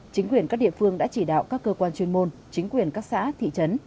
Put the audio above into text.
chính quyền các địa phương đã chỉ đạo các cơ quan chuyên môn chính quyền các xã thị trấn